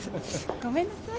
ごめんなさい。